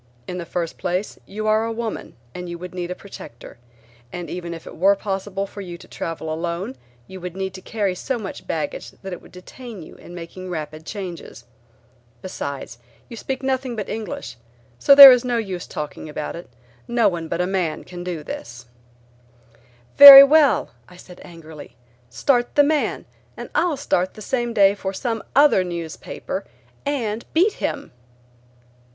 "In the first place you are a woman and would need a protector, and even if it were possible for you to travel alone you would need to carry so much baggage that it would detain you in making rapid changes. Besides you speak nothing but English, so there is no use talking about it; no one but a man can do this." "Very well," I said angrily, "Start the man, and I'll start the same day for some other newspaper and beat him."